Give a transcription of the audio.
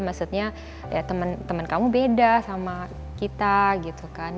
maksudnya teman kamu beda sama kita gitu kan